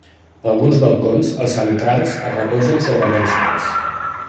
Alguns balcons, els centrals es recolzen sobre mènsules.